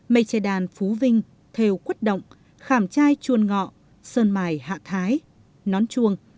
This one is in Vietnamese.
mây chai đàn phú vinh thều quất động khảm chai chuôn ngọ sơn mài hạ thái nón chuông